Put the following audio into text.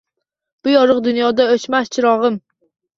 “Bu yorug‘ dunyoda o‘chmas chirog‘im”